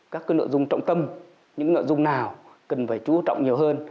các nội dung trọng tâm những nội dung nào cần phải chú trọng nhiều hơn